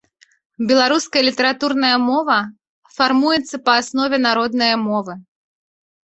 Беларуская літаратурная мова фармуецца па аснове народнае мовы.